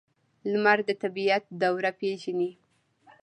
لمر د طبیعت دوره پیژني.